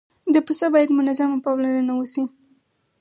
پسه باید منظمه پاملرنه وشي.